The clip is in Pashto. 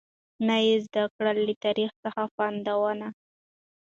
نه یې زده کړل له تاریخ څخه پندونه